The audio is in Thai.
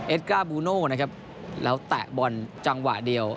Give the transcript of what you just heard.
ก้าบูโน่นะครับแล้วแตะบอลจังหวะเดียว